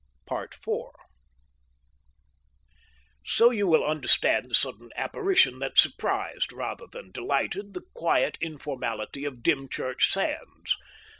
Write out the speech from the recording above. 4 So you will understand the sudden apparition that surprised rather than delighted the quiet informality of Dymchurch sands.